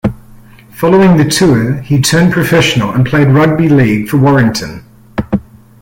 Following the tour he turned professional and played rugby league for Warrington.